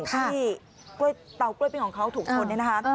ที่เตากล้วยปิ้งของเขาถูกชนนะฮะ